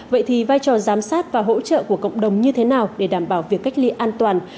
vậy thì vai trò giám sát và hỗ trợ của cộng đồng như thế nào để đảm bảo việc cách ly an toàn